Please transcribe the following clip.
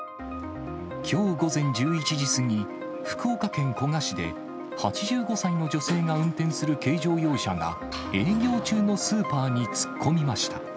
きょう午前１１時過ぎ、福岡県古賀市で、８５歳の女性が運転する軽乗用車が、営業中のスーパーに突っ込みました。